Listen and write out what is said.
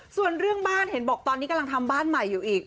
ส่วนเรื่องบ้านเห็นบอกตอนนี้กำลังทำบ้านใหม่อยู่อีก